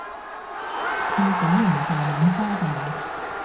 去九龍站揾科大